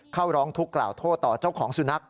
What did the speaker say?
เข้าร้องทุกข์กล่าวโทษต่อเจ้าของสุนัข